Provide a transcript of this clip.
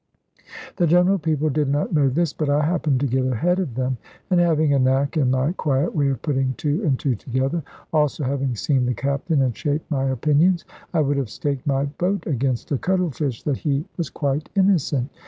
The general people did not know this; but I happened to get ahead of them; and having a knack in my quiet way of putting two and two together, also having seen the Captain, and shaped my opinions, I would have staked my boat against a cuttle fish that he was quite innocent.